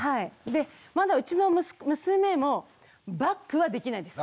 でまだうちの娘もバックはできないです。